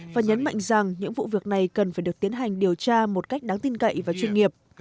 và nhấn mạnh rằng những vụ việc này cần phải được tiến hành điều tra một cách đáng tin cậy và chuyên nghiệp